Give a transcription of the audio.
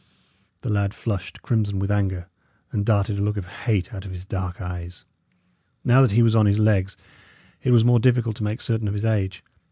The lad flushed crimson with anger, and darted a look of hate out of his dark eyes. Now that he was on his legs, it was more difficult to make certain of his age.